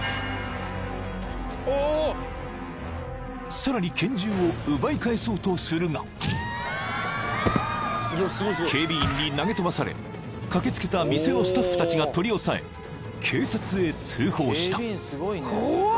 ［さらに拳銃を奪い返そうとするが警備員に投げ飛ばされ駆け付けた店のスタッフたちが取り押さえ警察へ通報した］